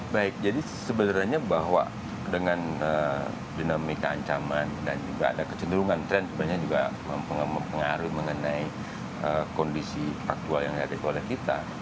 baik jadi sebenarnya bahwa dengan dinamika ancaman dan juga ada kecenderungan tren sebenarnya juga mempengaruhi mengenai kondisi faktual yang ada oleh kita